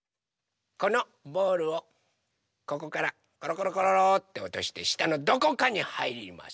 このボールをここからころころころっておとしてしたのどこかにはいります。